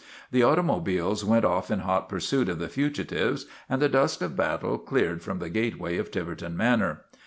The auto mobiles went off in hot pursuit of the fugitives and the dust of battle cleared from the gateway of Tiver ton Manor.